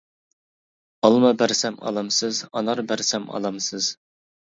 ئالما بەرسەم ئالامسىز ئانار بەرسەم ئالامسىز.